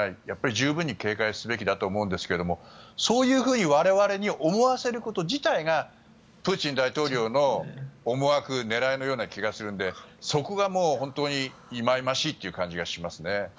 やっぱり十分に警戒すべきだと思うんですがそう我々に思わせること自体がプーチン大統領の思惑狙いのような気がするのでそこが本当に忌々しいという感じがします。